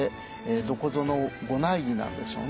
どこぞの御内儀なんでしょうね。